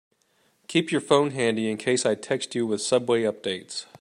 Keep your phone handy in case I text you with subway updates.